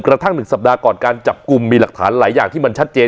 กระทั่ง๑สัปดาห์ก่อนการจับกลุ่มมีหลักฐานหลายอย่างที่มันชัดเจน